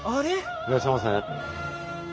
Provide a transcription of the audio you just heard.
いらっしゃいませ。